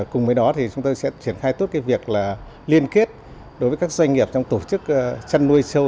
cùng với đó thì chúng tôi sẽ triển khai tốt việc liên kết đối với các doanh nghiệp trong tổ chức chăn nuôi sâu